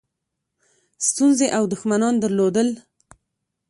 ستونزې او دښمنان درلودل.